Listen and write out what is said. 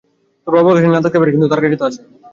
তোর বাবার কাছে না থাকতে পারে, কিন্তু তোর দাদুর আছে!